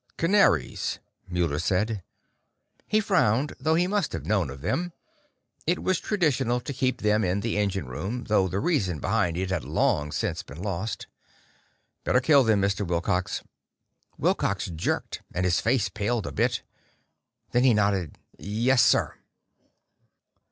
"Canaries," Muller said. He frowned, though he must have known of them. It was traditional to keep them in the engine room, though the reason behind it had long since been lost. "Better kill them, Mr. Wilcox." Wilcox jerked, and his face paled a bit. Then he nodded. "Yes, sir!"